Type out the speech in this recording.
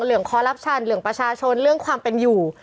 เหลืองคอลับชันเหลืองประชาชนเรื่องความเป็นอยู่